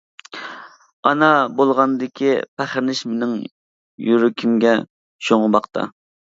ئانا بولغاندىكى پەخىرلىنىش مېنىڭ يۈرىكىمگە شۇڭغۇماقتا.